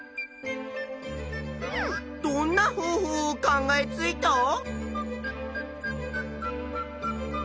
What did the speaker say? どんな方法を考えついた？